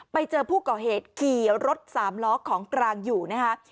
ไปเจอผู้ก่อเหตุขี่รถสามล้อของกลางอยู่นะคะ